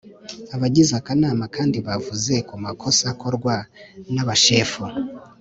Abagize akanama kandi bavuze ku makosa akorwa n abashefu